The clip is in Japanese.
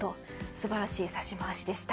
素晴らしい指し回しでした。